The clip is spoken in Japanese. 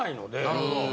なるほど。